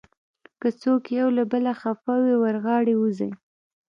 که څوک یو له بله خفه وي، ور غاړې وځئ.